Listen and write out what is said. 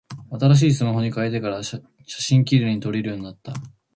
新しいスマホに変えてから、写真綺麗に撮れるようになった。